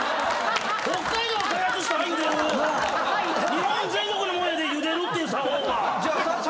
日本全国のもんやで茹でるっていう作法は！